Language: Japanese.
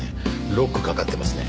ロックかかってますね。